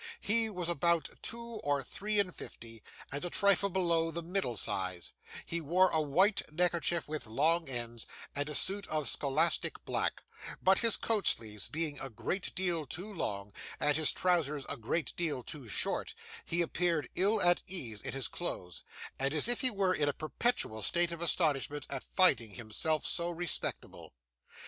He was about two or three and fifty, and a trifle below the middle size; he wore a white neckerchief with long ends, and a suit of scholastic black; but his coat sleeves being a great deal too long, and his trousers a great deal too short, he appeared ill at ease in his clothes, and as if he were in a perpetual state of astonishment at finding himself so respectable.